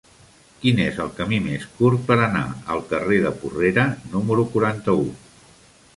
Quin és el camí més curt per anar al carrer de Porrera número quaranta-u?